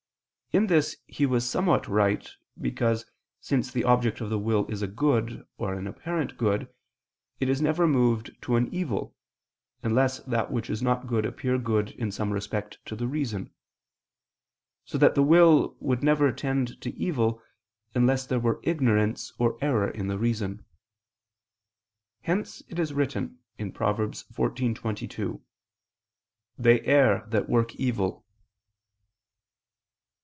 In this he was somewhat right, because, since the object of the will is a good or an apparent good, it is never moved to an evil, unless that which is not good appear good in some respect to the reason; so that the will would never tend to evil, unless there were ignorance or error in the reason. Hence it is written (Prov. 14:22): "They err that work evil."